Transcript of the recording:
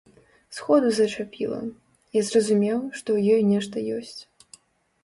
Сходу зачапіла, я зразумеў, што ў ёй нешта ёсць.